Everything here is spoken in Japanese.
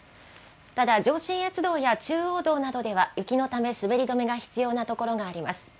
ただ、上信越道や中央道などでは雪のため、滑り止めが必要な所があります。